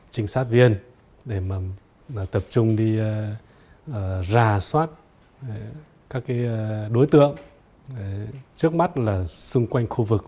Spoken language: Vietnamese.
trinh sát viên để mà tập trung đi rà soát các đối tượng trước mắt là xung quanh khu vực